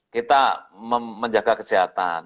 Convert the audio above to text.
kita menjaga kesehatan